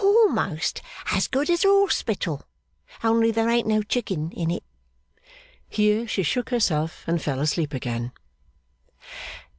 'Almost as good as a hospital. Only there ain't no Chicking in it.' Here she shook herself, and fell asleep again.